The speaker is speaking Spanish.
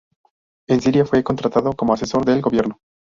En Siria fue contratado como asesor del gobierno.